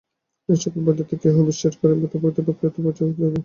এই-সকল বৈদান্তিক ইহাও বিশ্বাস করেন যে, বেদ অতিপ্রাকৃত উপায়ে ব্যক্ত ঈশ্বরের বাণী।